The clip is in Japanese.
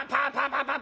パパ！